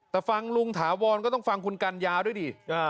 แต่ฟังลุงถาวรก็ต้องฟังคุณกัญญาด้วยดิ